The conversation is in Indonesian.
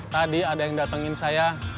tadi ada yang datengin saya